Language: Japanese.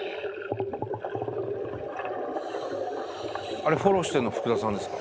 あれフォローしてんの福田さんですか？